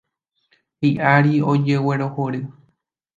Hi'ára ojeguerohory.